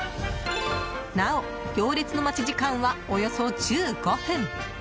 なお、行列の待ち時間はおよそ１５分。